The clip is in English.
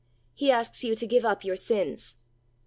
He asks you to give up your sins.